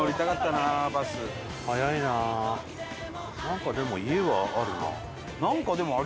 なんかでも家はあるなあ。